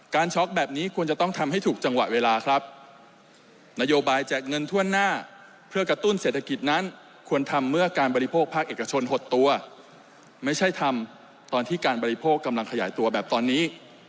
ช็อกแบบนี้ควรจะต้องทำให้ถูกจังหวะเวลาครับนโยบายแจกเงินทั่วหน้าเพื่อกระตุ้นเศรษฐกิจนั้นควรทำเมื่อการบริโภคภาคเอกชนหดตัวไม่ใช่ทำตอนที่การบริโภคกำลังขยายตัวแบบตอนนี้